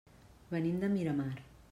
Venim de Miramar.